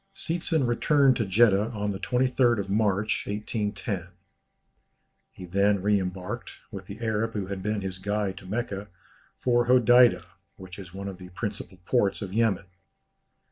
Seetzen returned to Jeddah on the 23rd March, 1810. He then re embarked, with the Arab who had been his guide to Mecca, for Hodeidah, which is one of the principal ports of Yemen.